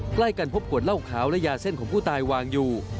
ใกล้กันพบขวดเหล้าขาวและยาเส้นของผู้ตายวางอยู่